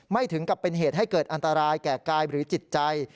ถึงกับเป็นเหตุให้เกิดอันตรายแก่กายหรือจิตใจ